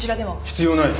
必要ない。